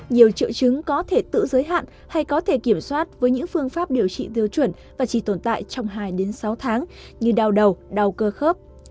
nhiều triệu chứng có thể tự giới hạn hay có thể kiểm soát với những phương pháp điều trị tiêu chuẩn và chỉ tồn tại trong hai sáu tháng như đau đầu đau cơ khớp